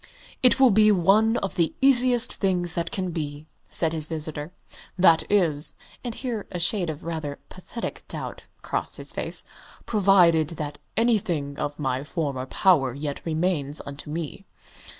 "It will be one of the easiest things that can be," said his visitor, "that is" (and here a shade of rather pathetic doubt crossed his face) "provided that anything of my former power yet remains unto me."